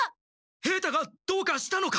平太がどうかしたのか！？